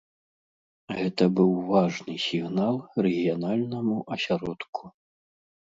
Гэта быў важны сігнал рэгіянальнаму асяродку.